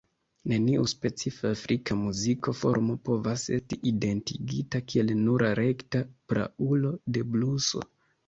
Neniu specifa afrika muzika formo povas esti identigita kiel nura rekta praulo de bluso.